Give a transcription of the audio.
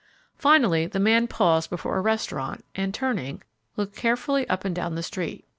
Finally, the man paused before a restaurant and, turning, looked carefully up and down the street.